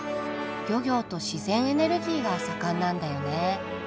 漁業と自然エネルギーが盛んなんだよね。